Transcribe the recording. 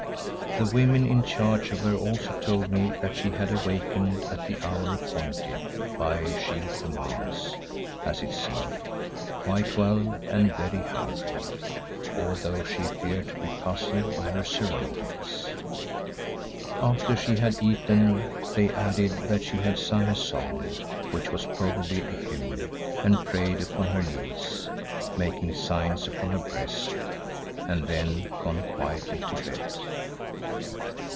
The women in charge of her also told me that she had awakened at the hour appointed by She who commands, as it seemed, quite well and very hungry, although she appeared to be puzzled by her surroundings. After she had eaten, they added that she had "sung a song," which was probably a hymn, and prayed upon her knees, "making signs upon her breast" and then gone quietly to bed.